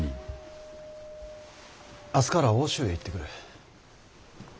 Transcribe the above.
明日から奥州へ行ってくる。